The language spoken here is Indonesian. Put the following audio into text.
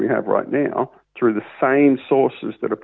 di amerika ada semua cerita